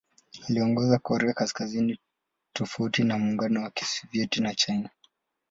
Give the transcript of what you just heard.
Aliongoza Korea Kaskazini tofauti na Muungano wa Kisovyeti na China.